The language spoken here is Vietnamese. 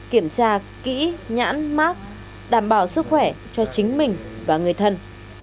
kiểm tra kỹ nhãn mát đảm bảo sức khỏe cho chính mình và người thân